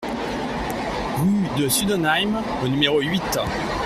Rue de Sundenheim au numéro huit